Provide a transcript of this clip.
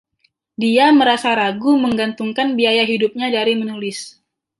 Dia merasa ragu menggantungkan biaya hidupnya dari menulis.